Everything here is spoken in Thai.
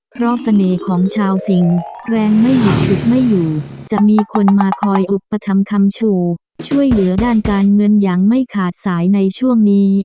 เพราะเสน่ห์ของชาวสิงแรงไม่หยุดฝึกไม่อยู่จะมีคนมาคอยอุปธรรมคำชูช่วยเหลือด้านการเงินอย่างไม่ขาดสายในช่วงนี้